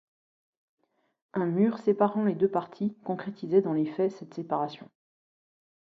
Un mur séparant les deux parties concrétisait dans les faits cette séparation.